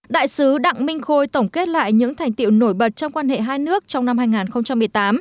đại sứ đặng minh khôi tổng kết lại những thành tiệu nổi bật trong quan hệ hai nước trong năm hai nghìn một mươi tám